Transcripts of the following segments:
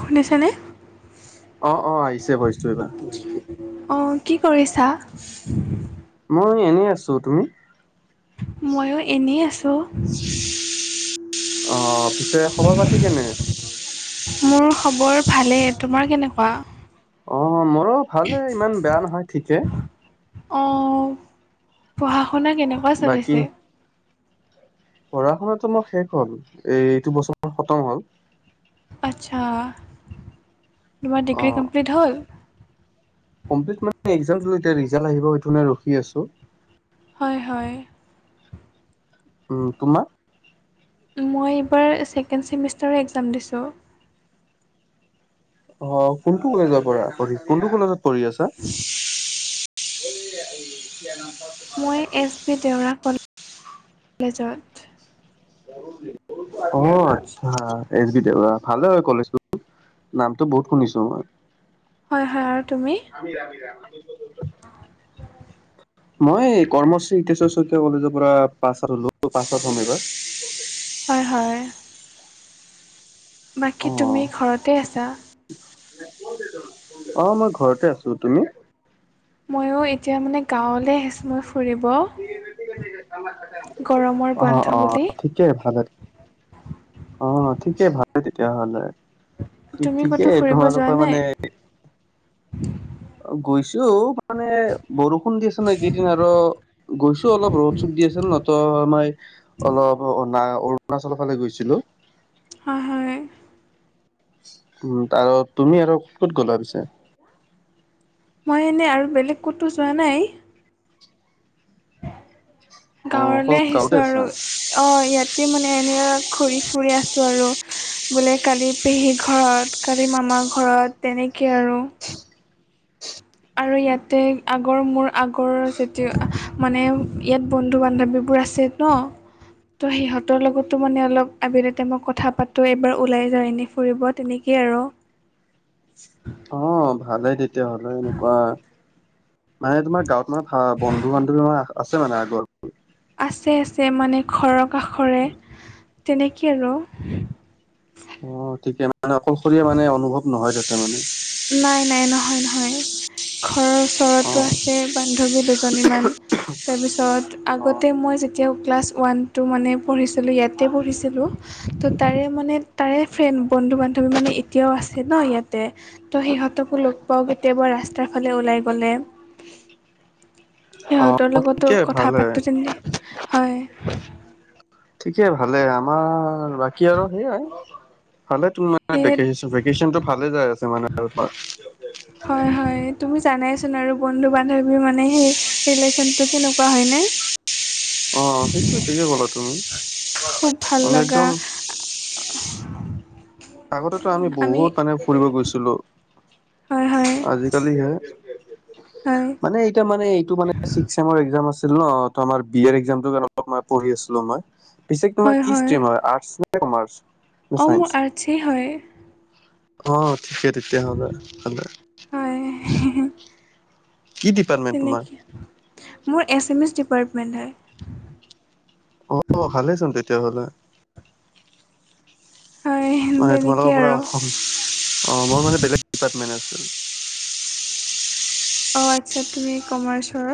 শুনিছেনে অ অ আহিছে ভইচ অ কি কৰিছা? মই এনেই আছো। তুমি? মইয়ো এনেই আছো। অ পিছে খবৰ পাতি কেনে? মোৰ খবৰ ভালেই। তোমাৰ কেনেকুৱা? অ মোৰো ভালে ইমান বেয়া নহয় ঠিকে। অ পঢ়া-শুনা কেনেকুৱা চলিছে? পঢ়া-শুনাতো মোৰ শেষ হ'ল এই এইটো বছৰ খতম হ'ল। আচ্ছা তোমাৰ অ ডিগ্ৰী কমপ্লিট হ'ল কমপ্লিট মানে এতিয়া ৰিজাল্ট আহিব সেইটোনে ৰখি আছো। হয় হয় উম তোমা মই এইবাৰ ছেকেণ্ড চেমিষ্টাৰৰ একজাম দিছোঁ। অ কোনটো কলেজৰ পৰা পঢ়ি কোনটো কলেজত পঢ়ি আছা? [unintelligible] মই এছ বি দেওৰা কল লেজত অ আচ্ছা এইচ বি দেওৰা ভালে হয় কলেজটো। নামতো বহুত শুনিছো মই। হয় হয় আৰু তুমি আমি ৰাতি যাম [unintelligible] মই কৰ্মশ্ৰী হিতেশ্বৰ শইকীয়া কলেজৰ পৰা [unintelligible] পাছত হম এইবাৰ হয়, হয়। অ বাকী তুমি ঘৰতে আছা? অঁ মই ঘৰতে আছো, তুমি? ময়ো এতিয়া মানে গাঁৱলৈ আহিছো মই ফুৰিব। গৰমৰ অ', বন্ধ অ', বুলি। ঠিকে ভালে, অঁ ঠিকে ভালে তেতিয়াহ'লে। তুমি ক'তো ঠিকেই ফুৰিব যোৱা তোমালোকৰ নাই? মানে- গৈছো মানে বৰষুণ দি আছে ন এইকেইদিন আৰু। গৈছো অলপ ৰ'দ চদ দি আছে ন নহ ত আমই অলপা। অৰুণাচলৰ ফালে গৈছিলোঁ। হয়, হয়। উম ত আৰু তুমি আৰু ক'ত গ'লা পিছে? মই এনেই আৰু বেলেগ ক'তো যোৱা নাই। অ', অকল গাঁৱলৈ আহিছো গাঁৱতে আৰু আছা? অঁ ইয়াতে মানে এনে ঘূৰি ফুৰি আছো আৰু। বোলে কালি পেহীৰ ঘৰত, কালি মামাৰ ঘৰত তেনেকে আৰু। আৰু ইয়াতে আগৰ মোৰ আগৰ যেতিয়া মানে ইয়াত বন্ধু বান্ধৱীবোৰ আছে। ন। ত' সিহঁতৰ লগতো মানে অলপ আবিলতে মই কথা পাতো, এবাৰ ওলাই যাওঁ, এনেই ফুৰিব তেনেক- কে আৰু। অঁ ভালেই তেতিয়াহ'লে এনেকুৱা। মানে তোমাৰ গাঁৱত মানে আ বন্ধু বান্ধৱী আছে মানে আগৰ। আছে আছে মানে খৰৰ কাষৰে তেনেকৈ আৰু। অঁ ঠিকে মানে অকলশৰীয়া মানে অনুভৱ নহয় তাতে মানে। নাই নাই, নহয় নহয়। ঘৰৰ ওচৰত- ওচৰতটো অ', আছে বান্ধৱী দুজনীমান তাৰপিছত অ', আগতে মই- এতিয়াও ক্লাছ ওৱান টু মানে পঢ়িছিলোঁ ইয়াতে পঢ়িছিলোঁ। ত' তাৰে মানে তাৰে ফ্ৰেণ্ড বন্ধু বান্ধৱী মানে এতিয়াও আছে। আছে ন ইয়াতে, তো সিহঁতকো লগ পাওঁ কেতিয়াবা ৰাস্তাৰ ফালে ওলাই গ'লে। সিহঁতৰ অ', লগতো ঠিকে কথা ভালে। পাতোঁ যেনে হয়। ঠিকে ভালে আমাৰ বাকী আৰু সেইয়াই ভালে সেয়ে - ভেকেশচন টো ভালে যাই আছে মানে। হয় হয়, তুমি জানাইচোন আৰু বন্ধু বান্ধৱী মানে সেই- ৰিলেশ্যনটো কেনেকুৱা হয় নে। অঁ সেইটোয়ে ঠিকে ক'লা তুমি। খুব ভাল মানে একদম লগা- আগতেতো আমি বহুত মানে ফুৰিব গৈছিলোঁ। হয় হয় আজিকালি হে হয় মানে এতিয়া মানে এইটো মানে- ছিক্সছেমৰ এক্সাম আছিল ন, ত আমাৰ বি এ এক্সাম কাৰণে পঢ়ি আছিলো মই। পিছে তোমাৰ কি ষ্ট্ৰীম হয় আৰ্টচ নে কমাৰ্চ? নে অঁ মোৰ আৰ্টচ এ হয়। অঁ ঠিকে তেতিয়া হ'লে ভালে। হয়, কি ডিপাৰ্টমেন্ট তোমাৰ তেনেকে। মোৰ এছ এম এছ ডিপাৰ্টমেণ্ট হয়। অ‍ঁ ভালে চোন তেতিয়া হলে। হয় হয় মানে তেনেকেই তোমালোকৰ পৰা আৰু অসম অঁ মই মানে বেলেগ ডিপাৰ্টমেন্ট আছিল। অ আচ্ছা তুমি কমাৰ্চৰ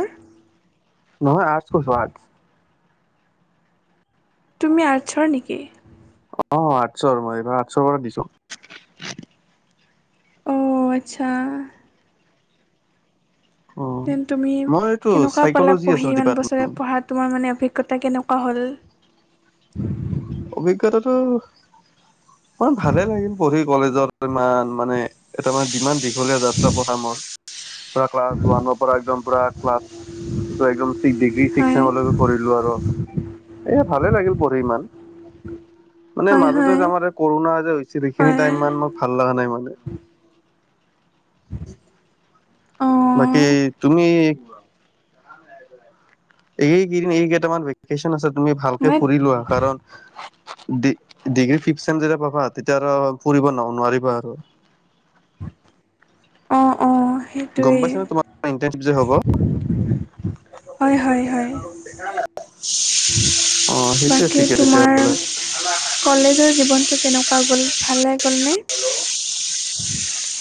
নহয় আৰ্টছ কৈছো আৰ্ট তুমি আৰ্টছৰ নেকি অ আৰ্টছৰ মই এইবাৰ আৰ্টছৰ পৰা দিছো অ আচ্ছা অ দেন তুমি মই এইটো কেনেকুৱা পালা চাইকলজি পঢ়ি আছিল ইমান ডিপাৰ্টমেন্ট বছৰে পঢ়া তোমাৰ মানে অভিজ্ঞতা কেনেকুৱা হ'ল অভিজ্ঞতাটো অমান ভালে লাগিল পঢ়ি কলেজত ইমান মানে এটা মানে যিমান দীঘলীয়া যাত্ৰা পঢ়া মোৰ ক্লাছ ওৱানৰ পৰা একদম পুৰা ক্লাছ এইটো একদম ডিগ্ৰী ছিক্স হয় চেম লৈকে কৰি লো আৰু এ ভালে লাগিল পঢ়ি ইমান মানে হয় মাজতে হয় যে আমাৰ কৰোণা যে হৈছিল সেইখিনি হয় টাইম ইমান মই ভাল লগা নাই মানে বাকী অঁ তুমি এইকেইদিন এই কেইটামান ভেকেশ্বন আছে তুমি ভালকে মই ফুৰি লোৱা কাৰণ ডি ডিগ্ৰী ফিফ চেম যেতিয়া পাবা তেতিয়া আৰু ফুৰিব ন নোৱাৰিবা আৰু অ অ গম সেইটোৱে পাইছা নে তোমাৰ ইন্টাৰ্ণশ্বিপ যে হ'ব হয় হয় হয় অ সেইটোৱে বাকী ঠিকে তেতিয়াহলে তোমাৰ কলেজৰ জীৱনটো কেনেকুৱা গ'ল ভালে গ'ল নে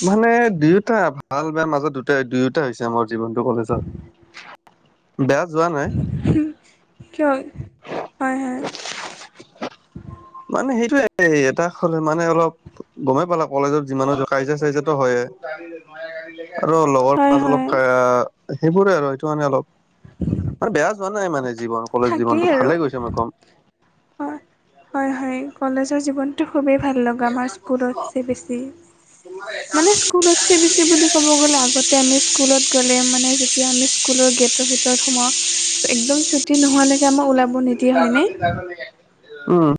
মানে দুয়োটা ভাল বেয়া মাজত দুটাই দুয়োটা হৈছে মোৰ জীৱনটো কলেজত বেয়া যোৱা নাই কিয় হয় হয় মানে সেইটোয়ে এটা হ'লে মানে অলপ গমেই পালা কলেজত যিমানো কাজিয়া চাজিয়া ত হয়ে আৰু লগৰ হয় মাজত অলপ হয় সেইবোৰে আৰু সেইটো মানে অলপ মানে বেয়া যোৱা নাই মানে জীৱন কলেজ থাকেই জীৱনটো আৰু ভালে গৈছে মই কম হয় হয় হয় কলেজৰ জীৱন টো খুই ভাল লগা আমাৰ স্কুলত যে বেছি মানে স্কুলত চি বি চি বুলি ক'ব গ'লে আগতে আমি স্কুলত গ'লে মানে যেতিয়া আমি স্কুলৰ গেটৰ ভিতৰত সোমাওঁ চ একদম চুটি নোহোৱা লৈকে আমাৰ ওলাব নি [unintelligible] উম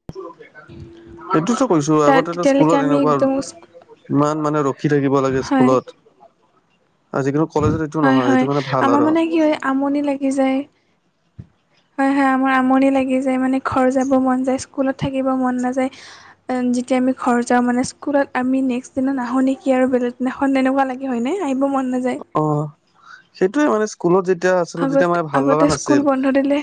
এইটোতো কৈছো তাত আগতেটো তেতিয়ালৈকে স্কুলত আমি এনেকুৱা আৰু একদম ইমান মানে ৰখি থাকিব লাগে হয় স্কুলত আজি কিন্তু কলেজত এইটো হয় নহয় এইটো হয় মানে ভাল আমাৰ আৰু মানে কি হয় আমনি লাগি যায় হয় হয় আমাৰ আমনি লাগি যায় মানে ঘৰ যাব মন যায় স্কুলত থাকিব মন নাযায় ৰন যেতিয়া আমি ঘৰ যাওঁ মানে স্কুলত আমি নেক্স দিনা নাহো নেকি আৰু বেলেগ দিনা খন তেনেকুৱা লাগে হয়নে আহিব মন নাযায় অ সেইটোৱে মানে স্কুলত যেতিয়া আছিলো আগত তেতিয়া মানে ভাল আগতে লগা স্কুল নাছিল বন্ধ দিলে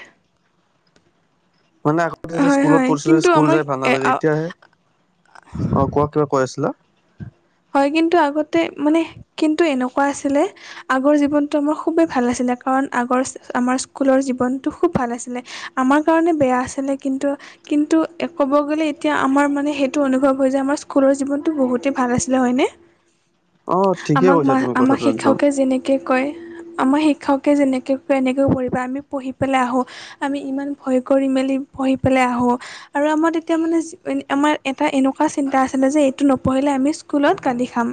মানে আগতে যেতিয়া হয় স্কুলত হয় পিছিলো কিন্তু স্কুল যাই ভাল নালাগে আমাৰ এতিয়াহে অ কোৱা কিবা কৈ আছিলা হয় কিন্তু আগতে মানে কিন্তু এনেকুৱা আছিলে আগৰ জীৱনটো আমাৰ খুবেই ভাল আছিলে কাৰণ আগৰ আমাৰ স্কুলৰ জীৱনটো খুব ভাল আছিলে আমাৰ কাৰণে বেয়া আছিলে কিন্তু কিন্তু, ক'ব গ'লে এতিয়া আমাৰ মানে সেইটো অনুভৱ হয় যে আমাৰ স্কুলৰ জীৱনটো বহুত- তেই ভাল আছিলে হয়নে অ ঠিকে আমাক কৈছা তুমি আমাক কথাটো একদম শিক্ষকে যেনেকে কয়- আমাৰ শিক্ষকে যেনেকে কেনেকৈ পঢ়িবা আমি পঢ়ি পেলাই আহোঁ। আমি ইমান ভয় কৰি মেলি পঢ়ি পেলাই আহো। আৰু আমাৰ তেতিয়া মানে আমাৰ এটা এনেকুৱা চিন্তা আছিলে যে এইটো ন- পঢ়িলে আমি স্কুলত গালি খাম।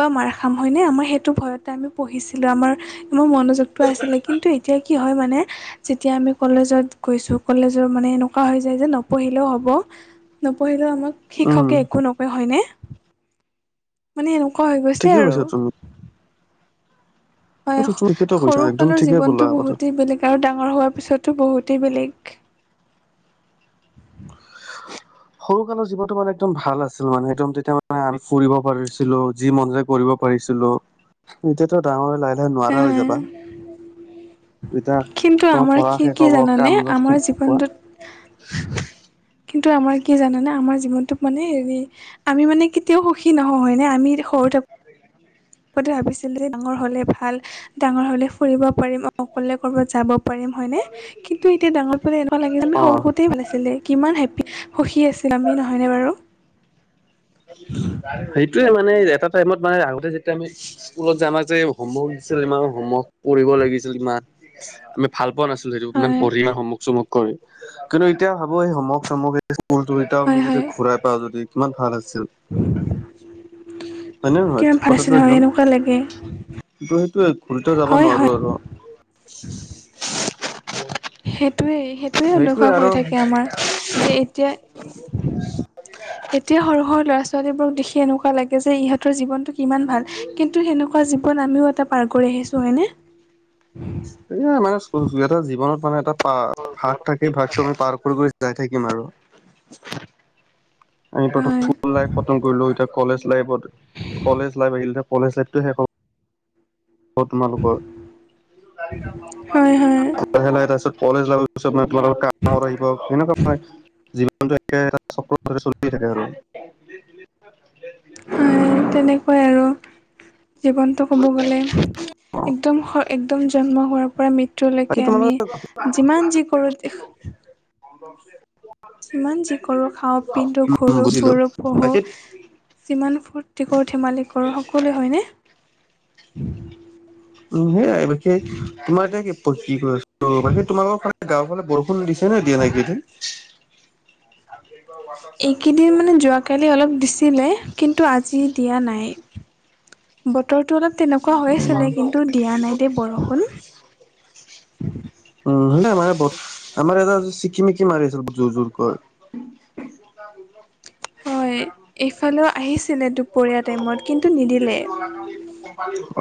বা মাৰ খাম হয় নে আমাৰ সেইটো ভয়তে আমি পঢ়িছিলো আমাৰ মোৰ মনোছ- যুক্ত আছিলে, কিন্তু এতিয়া কি হয় মানে- যেতিয়া আমি কলেজত গৈছোঁ কলেজৰ মানে এনেকুৱা হৈ যায় যে নপঢ়িলেও হ'ব। নপঢ়িলেও আমাক উম শিক্ষকে একো নকয় হয়নে। মানে এনেকুৱা হৈ গৈছে ঠিকে আৰু। কৈছা তুমি হয় এইটো তুমি ঠিকেতো কৈছা একদম সৰুকালৰ ঠিকে ক'লা জীৱনটো কথাটো বহুতেই বেলেগ আৰু ডাঙৰ হোৱাৰ পিছতো বহুতেই বেলেগ। সৰু কালৰ জীৱনটো মানে একদম ভাল আছিল মানে একদম তেতিয়া মানে ফুৰিব পাৰিছিলো যি মন যায় কৰিব- পাৰিছিলো এতিয়াতো ডাঙৰ হৈ লাহে লাহে নোৱাৰা হৈ যাবা। যেতিয়া কিন্তু তোমাৰ আমাৰ পঢ়া কি শেষ কি হ'ব জানানে কামত আমাৰ জীৱনটোত কোৱা- কিন্তু, আমাৰ কি জানানে আমাৰ জীৱনটোক মানে হেৰি- আমি মানে কেতিয়াও সুখী নহওঁ হয় নে আমি সৰু থাকো- ভাবিছিলোয়ে ডাঙৰ হলে ভাল ডাঙৰ হলে ফুৰিব পাৰিম অকলে ক'ৰবাত যাব- পাৰিম হয়নে, কিন্তু এতিয়া ডাঙৰ পৰাই এনেকুৱা লাগে আমি অ সৰু সৌতেই ভাল আছিলে কিমান হেপি- সুখী আছিলো আমি নহয়নে বাৰু। সেইট- টোৱে মানে এটা টাইমত মানে আগতে যেতিয়া আমি স্কুলত যে আমাক যে হোমৱৰ্ক দিছিলে আমা হোমৱৰ্ক- পঢ়িব লাগিছিল ইমান আমি ভাল পোৱা নাছিলো সেইটো ইমান হয় পঢ়ি অমোক চমোক। কৰি কিন্তু এতিয়া ভাবো এই সমক চমক এই এতিয়াও আমি হয় যদি হয় ঘুৰাই পাও যদি কিমান ভাল আছিল। চব। হয় ন নহয় কিমান ঠিক ভাল কথাটো আছিলে হয় একদম এনেকুৱা লাগে কিন্তু সেইটো ঘূৰিটো যাব হয় হয় নোৱাৰো আৰু। সেইটোৱে সেইটোৱেই সেইটোয়ে অনুভৱ আৰু হৈ থাকে আমাৰ যে এতিয়া- এতিয়া সৰু সৰু ল'ৰা ছোৱালীবোৰক দেখি এনেকুৱা লাগে যে ইহঁতৰ জীৱনটো কিমান ভাল- কিন্তু, সেনেকুৱা জীৱন আমিও এটা পাৰ কৰি আহিছো হয়নে। এইয়াই মানে এটা জীৱনত মানে এটা পা ভা- তাকেই, ভাগটো আমি পাৰ কৰি কৰি যাই থাকিম আৰু। আমি প্ৰথম হয় স্কুল লাইফ খতম কৰিলো। এতিয়া কলেজ লাইফত, কলেজ লাইফ আহিল। এতিয়া কলেজ লাইফটো শেষ হব। হব তোমালোকৰ। হয় হয় লাহে লাহে তাৰ পিছত কলেজ লাইভ পিছত মানে তোমালোকৰ কামত আহিব তেনেকুৱাই হয়। জীৱনটো একেটা চক্ৰৰ দৰে চলিয়ে থাকে আৰু। [unintelligible] হয় তেনেকুৱাই আৰু জীৱনটো ক'ব গ'লে একদম সয়- একদম জন্ম হোৱাৰ পৰা বাকী মৃত্যুলেকে আমি তোমালোকৰ যিমান যি কৰোঁ- কনদম ছে যিমান যি কৰোঁ খাওঁ পিন্ধো ঘৰু বুজিলো ফুৰো বাকী পঢ়ো- জিমান ফুুৰটি কৰো ধেমালি কৰো সকলোৱে হয়নে। উম সেয়াই বিশেষ তোমাৰ এতিয়া কি ক আছো বাকী তোমালোকৰ ফালে গাঁৱৰ ফালে বৰষুণ- ষুণ দিছে নে দিয়া নাই এইগেইদিন? এইকেইদিন মানে যোৱাকালি অলপ দিছিলে। কিন্তু, আজি দিয়া নাই। বতৰটো অলপ তেনেকুৱা হৈ আছিলে। কিন্তু, দিয়া নাই দেই বৰষুণ। [unintelligible] উম আমাৰ ইয়াত আমাৰ এতিয়া ছিকিমিকি মাৰি আছিল জোৰ জোৰকৈ। হয় এইফালেও আহিছিলে দুপৰীয়া টাইমত কিন্তু নিদিলে।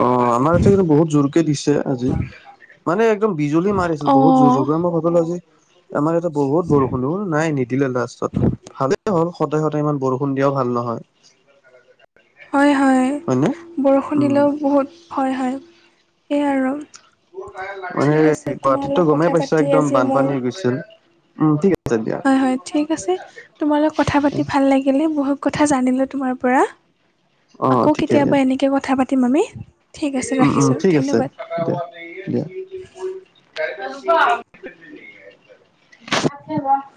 অ' আমাৰ ইয়াতে কিন্তু বহুত জোৰকে দিছে আজি। মানে একদম বিজুলী মাৰিছিল বহুত জোৰ অঁ জোৰকৈ। মই ভাবিলো আজি আমাৰ ইয়াতে বহুত বৰষুণ হল, নাই নিদিলে লাষ্টত। ভালেই হ'ল সদায় সদায় ইমান বৰষুণ দিয়াও ভাল নহয়। হয় হয় হয়নে? বৰষুণ উম দিলেও বহুত ভয় হয় সেয়াই আৰু মানে ঠিক আছে তোমাৰ গুৱাহাটীতটো লগত গমেই কথা পাইছা পাতি একদম আজি মোৰ বানপানী হৈ গৈছিল। উম ঠিক আছে দিয়া। হয় হয়, ঠিক আছে তোমাৰ লগত কথা পাতি ভাল লাগিলে বহুত কথা জানিলো তোমাৰ পৰা। অ আকৌ ঠিকে কেতিয়াবা দিয়া এনেকে কথা পাতিম আমি ঠিক আছে ৰাখিছো ধন্যবাদ তাকে দিয়া ভালকে লোৱা।